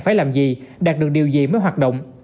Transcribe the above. phải làm gì đạt được điều gì mới hoạt động